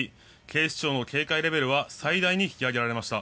警視庁の警戒レベルは最大に引き上げられました。